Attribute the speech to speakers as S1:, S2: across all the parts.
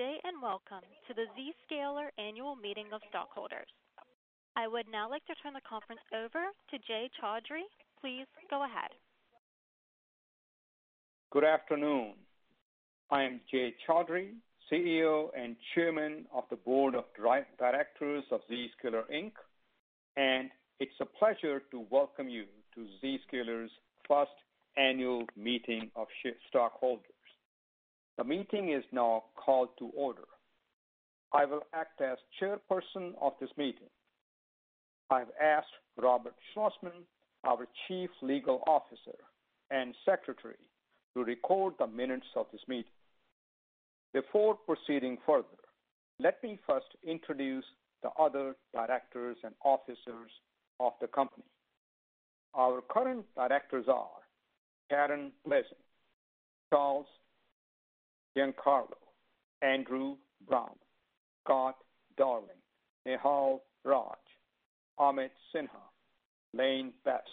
S1: Good day. Welcome to the Zscaler Annual Meeting of Stockholders. I would now like to turn the conference over to Jay Chaudhry. Please go ahead.
S2: Good afternoon. I am Jay Chaudhry, CEO and Chairman of the Board of Directors of Zscaler Inc. It's a pleasure to welcome you to Zscaler's First Annual Meeting of Stockholders. The meeting is now called to order. I will act as chairperson of this meeting. I've asked Robert Schlossman, our Chief Legal Officer and Secretary, to record the minutes of this meeting. Before proceeding further, let me first introduce the other directors and officers of the company. Our current directors are Karen Blasing, Charles Giancarlo, Andrew Brown, Scott Darling, Nehal Raj, Amit Sinha, Lane Bess.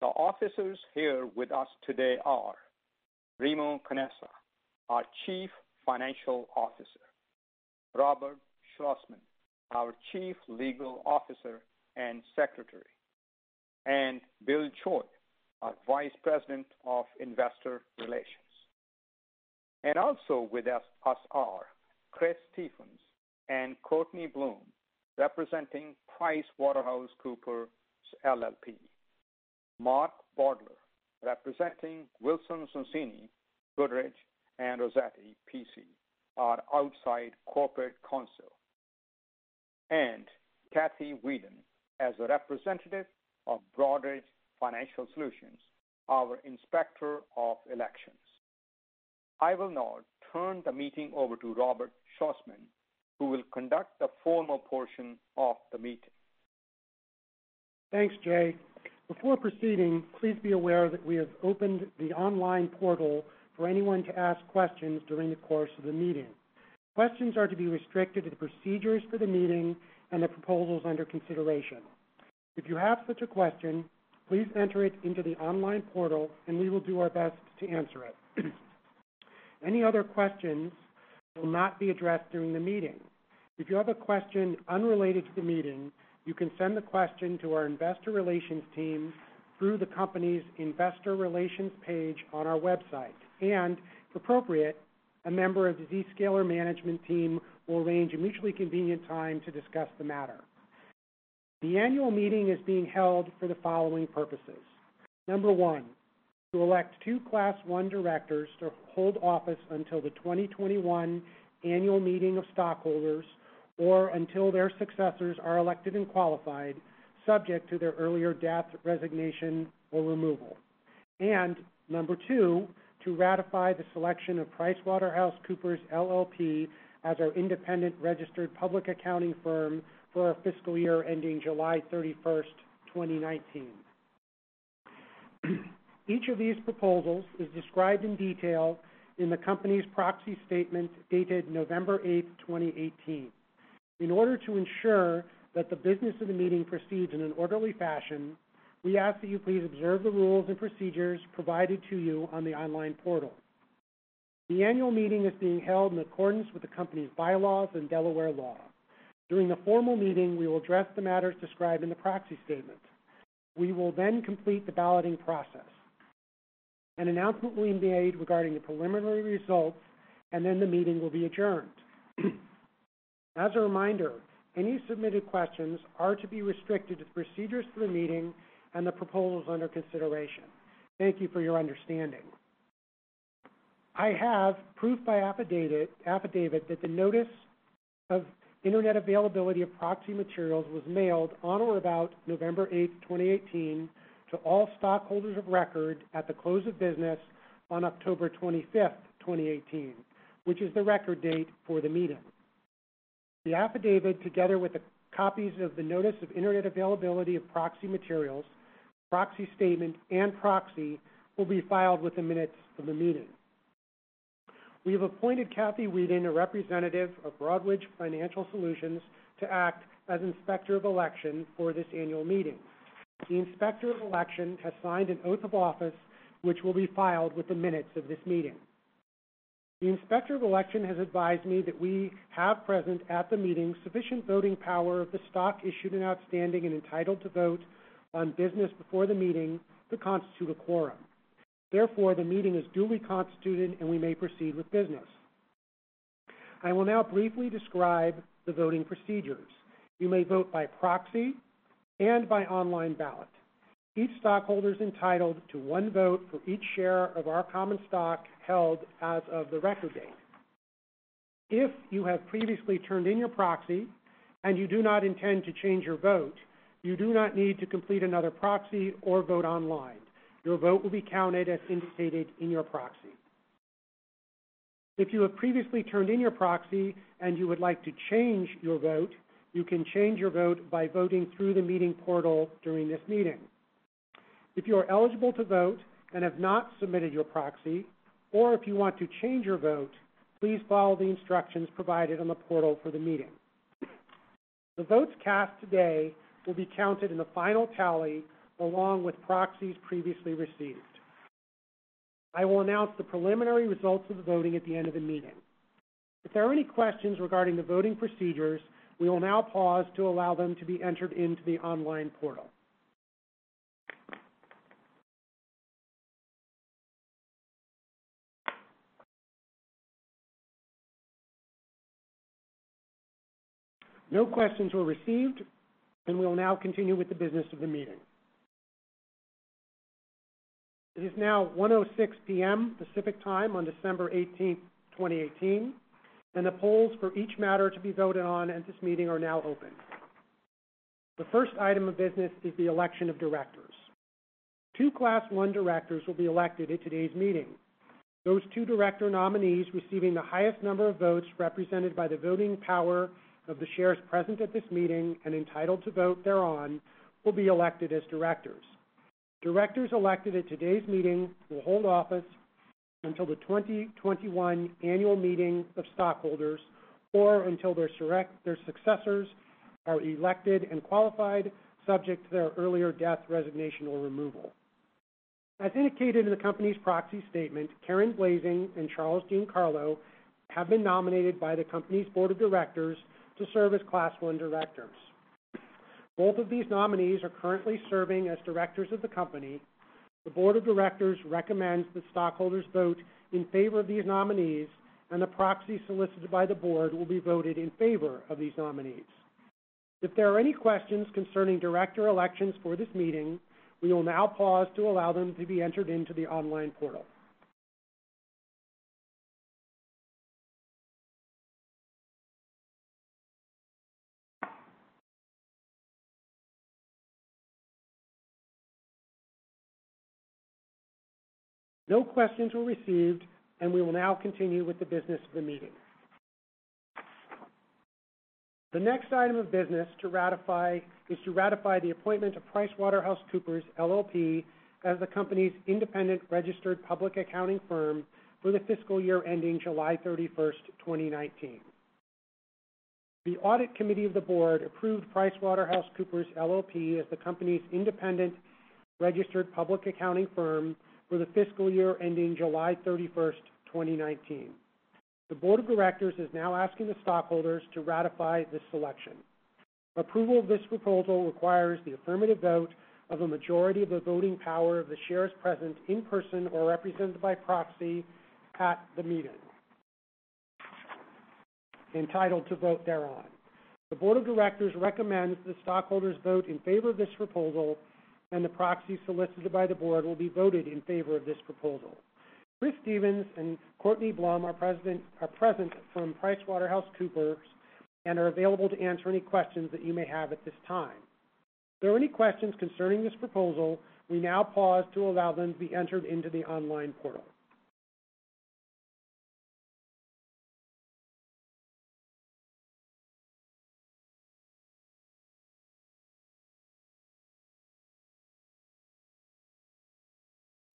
S2: The officers here with us today are Remo Canessa, our Chief Financial Officer, Robert Schlossman, our Chief Legal Officer and Secretary, and Bill Choi, our Vice President of Investor Relations. Also with us are Chris Stephens and Courtney Blum, representing PricewaterhouseCoopers LLP, Mark Baudler, representing Wilson Sonsini Goodrich & Rosati, P.C., our outside Corporate Counsel, and Kathy Weeden as a representative of Broadridge Financial Solutions, our Inspector of Election. I will now turn the meeting over to Robert Schlossman, who will conduct the formal portion of the meeting.
S3: Thanks, Jay. Before proceeding, please be aware that we have opened the online portal for anyone to ask questions during the course of the meeting. Questions are to be restricted to the procedures for the meeting and the proposals under consideration. If you have such a question, please enter it into the online portal. We will do our best to answer it. Any other questions will not be addressed during the meeting. If you have a question unrelated to the meeting, you can send the question to our investor relations team through the company's Investor Relations page on our website. If appropriate, a member of the Zscaler management team will arrange a mutually convenient time to discuss the matter. The Annual Meeting is being held for the following purposes. Number one, to elect two Class I directors to hold office until the 2021 annual meeting of stockholders or until their successors are elected and qualified, subject to their earlier death, resignation, or removal. Number two, to ratify the selection of PricewaterhouseCoopers LLP as our independent registered public accounting firm for our fiscal year ending July 31, 2019. Each of these proposals is described in detail in the company's proxy statement dated November 8, 2018. In order to ensure that the business of the meeting proceeds in an orderly fashion, we ask that you please observe the rules and procedures provided to you on the online portal. The annual meeting is being held in accordance with the company's bylaws and Delaware law. During the formal meeting, we will address the matters described in the proxy statement. We will then complete the balloting process. An announcement will be made regarding the preliminary results, and then the meeting will be adjourned. As a reminder, any submitted questions are to be restricted to the procedures for the meeting and the proposals under consideration. Thank you for your understanding. I have proof by affidavit that the notice of internet availability of proxy materials was mailed on or about November 8, 2018, to all stockholders of record at the close of business on October 25, 2018, which is the record date for the meeting. The affidavit, together with copies of the notice of internet availability of proxy materials, proxy statement, and proxy, will be filed with the minutes of the meeting. We have appointed Kathy Weeden, a representative of Broadridge Financial Solutions, to act as Inspector of Election for this annual meeting. The Inspector of Election has signed an oath of office, which will be filed with the minutes of this meeting. The Inspector of Election has advised me that we have present at the meeting sufficient voting power of the stock issued and outstanding and entitled to vote on business before the meeting to constitute a quorum. Therefore, the meeting is duly constituted, and we may proceed with business. I will now briefly describe the voting procedures. You may vote by proxy and by online ballot. Each stockholder's entitled to one vote for each share of our common stock held as of the record date. If you have previously turned in your proxy and you do not intend to change your vote, you do not need to complete another proxy or vote online. Your vote will be counted as indicated in your proxy. If you have previously turned in your proxy and you would like to change your vote, you can change your vote by voting through the meeting portal during this meeting. If you are eligible to vote and have not submitted your proxy, or if you want to change your vote, please follow the instructions provided on the portal for the meeting. The votes cast today will be counted in the final tally, along with proxies previously received. I will announce the preliminary results of the voting at the end of the meeting. If there are any questions regarding the voting procedures, we will now pause to allow them to be entered into the online portal. No questions were received, and we will now continue with the business of the meeting. It is now 1:06 P.M. Pacific Time on December 18th, 2018, the polls for each matter to be voted on at this meeting are now open. The first item of business is the election of directors. Two Class I directors will be elected at today's meeting. Those two director nominees receiving the highest number of votes represented by the voting power of the shares present at this meeting and entitled to vote thereon will be elected as directors. Directors elected at today's meeting will hold office until the 2021 annual meeting of stockholders or until their successors are elected and qualified, subject to their earlier death, resignation, or removal. As indicated in the company's proxy statement, Karen Blasing and Charles Giancarlo have been nominated by the company's board of directors to serve as Class I directors. Both of these nominees are currently serving as directors of the company. The board of directors recommends that stockholders vote in favor of these nominees, the proxy solicited by the board will be voted in favor of these nominees. If there are any questions concerning director elections for this meeting, we will now pause to allow them to be entered into the online portal. No questions were received, we will now continue with the business of the meeting. The next item of business is to ratify the appointment of PricewaterhouseCoopers LLP as the company's independent registered public accounting firm for the fiscal year ending July 31st, 2019. The audit committee of the board approved PricewaterhouseCoopers LLP as the company's independent registered public accounting firm for the fiscal year ending July 31st, 2019. The board of directors is now asking the stockholders to ratify this selection. Approval of this proposal requires the affirmative vote of a majority of the voting power of the shares present in person or represented by proxy at the meeting, entitled to vote thereon. The board of directors recommends the stockholders vote in favor of this proposal, the proxy solicited by the board will be voted in favor of this proposal. Chris Stephens and Courtney Blum are present from PricewaterhouseCoopers and are available to answer any questions that you may have at this time. If there are any questions concerning this proposal, we now pause to allow them to be entered into the online portal.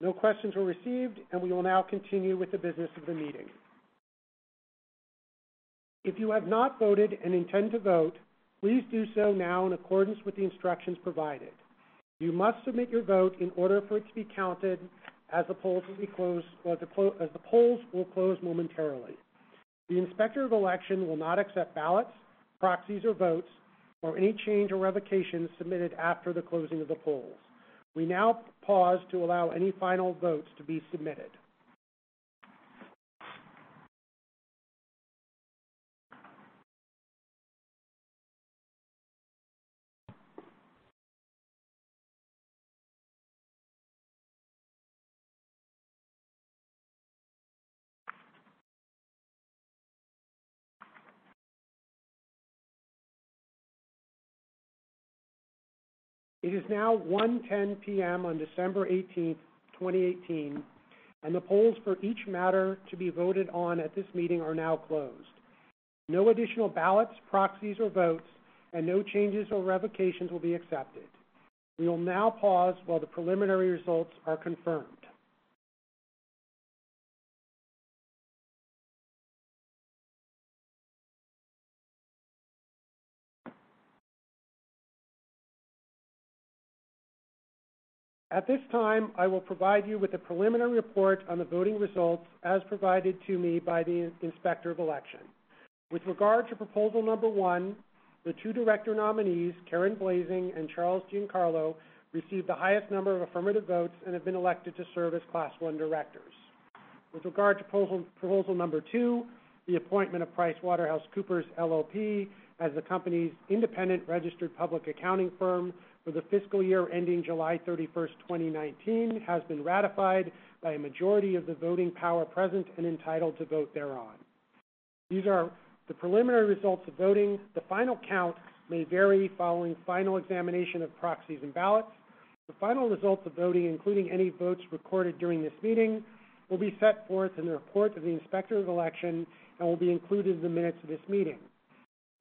S3: No questions were received, we will now continue with the business of the meeting. If you have not voted and intend to vote, please do so now in accordance with the instructions provided. You must submit your vote in order for it to be counted, as the polls will close momentarily. The Inspector of Election will not accept ballots, proxies or votes, or any change or revocation submitted after the closing of the polls. We now pause to allow any final votes to be submitted. It is now 1:10 P.M. on December 18th, 2018, the polls for each matter to be voted on at this meeting are now closed. No additional ballots, proxies or votes, no changes or revocations will be accepted. We will now pause while the preliminary results are confirmed. At this time, I will provide you with a preliminary report on the voting results as provided to me by the Inspector of Election. With regard to proposal number one, the two director nominees, Karen Blasing and Charles Giancarlo, received the highest number of affirmative votes and have been elected to serve as Class I directors. With regard to proposal number two, the appointment of PricewaterhouseCoopers LLP as the company's independent registered public accounting firm for the fiscal year ending July 31, 2019, has been ratified by a majority of the voting power present and entitled to vote thereon. These are the preliminary results of voting. The final count may vary following final examination of proxies and ballots. The final results of voting, including any votes recorded during this meeting, will be set forth in the report of the Inspector of Election and will be included in the minutes of this meeting.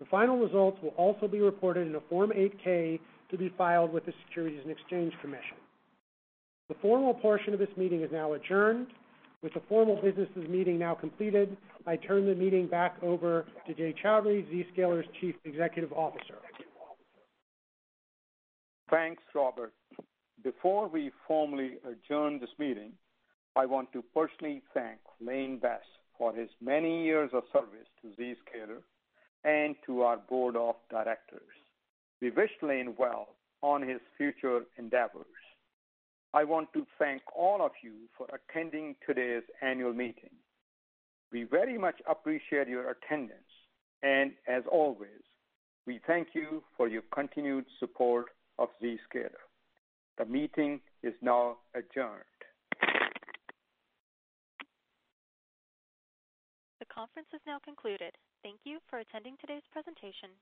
S3: The final results will also be reported in a Form 8-K to be filed with the Securities and Exchange Commission. The formal portion of this meeting is now adjourned. With the formal business of the meeting now completed, I turn the meeting back over to Jay Chaudhry, Zscaler's Chief Executive Officer.
S2: Thanks, Robert. Before we formally adjourn this meeting, I want to personally thank Lane Bess for his many years of service to Zscaler and to our board of directors. We wish Lane well on his future endeavors. I want to thank all of you for attending today's annual meeting. We very much appreciate your attendance, and as always, we thank you for your continued support of Zscaler. The meeting is now adjourned.
S1: The conference is now concluded. Thank you for attending today's presentation.